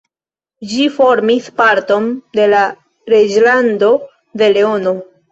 Ĝi formis parton de la Reĝlando de Leono.